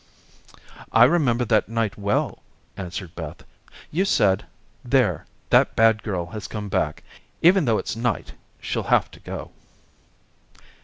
"I remember that night well," answered Beth. "You said, 'There, that bad girl has come back. Even though it's night, she'll have to go.'"